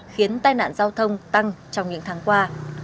khiến tai nạn giao thông tăng trong những tháng qua